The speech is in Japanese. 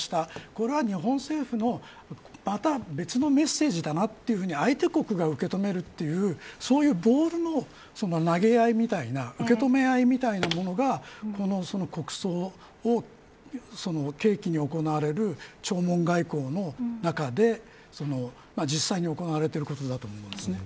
これは日本政府の別のメッセージだなと相手国が受け止めるというボールの投げ合いみたいな受け止め合いみたいなものが国葬を契機に行われる弔問外交の中で実際に行われていることだと思うんですね。